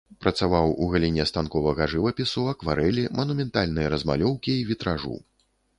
Працаваў ў галіне станковага жывапісу, акварэлі, манументальнай размалёўкі і вітражу.